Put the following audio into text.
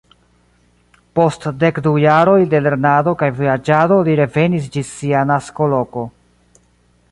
Post dek du jaroj de lernado kaj vojaĝado li revenis ĝis sia naskoloko.